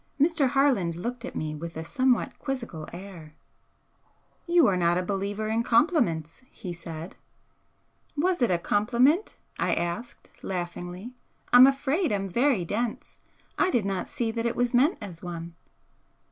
Mr. Harland looked at me with a somewhat quizzical air. "You are not a believer in compliments," he said. "Was it a compliment?" I asked, laughingly "I'm afraid I'm very dense! I did not see that it was meant as one."